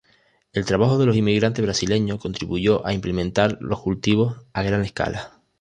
El trabajo de los inmigrantes brasileños, contribuyó a implementar los cultivos a gran escala.